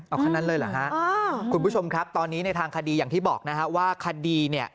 เอาคันนั้นเลยเหรอฮะคุณผู้ชมครับตอนนี้ในทางคดีอย่างที่บอกนะฮะว่าคดีเนี่ย